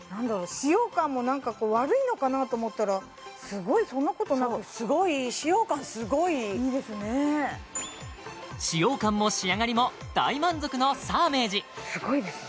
使用感もなんか悪いのかなと思ったらすごいそんなことなくそうすごい使用感も仕上がりも大満足のサーメージすごいですね